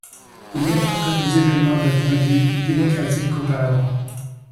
Il interprète les événements d'un point de vue plus démocratique qu'auparavant.